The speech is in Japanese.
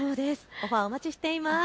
オファー、お待ちしています。